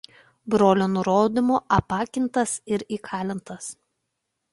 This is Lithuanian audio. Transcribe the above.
Brolio nurodymu apakintas ir įkalintas.